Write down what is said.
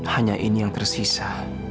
hanya ini yang tersisa